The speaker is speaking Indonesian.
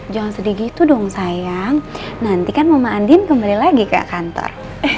jangan sedih gitu dong sayang nanti kan mau mandin kembali lagi ke kantor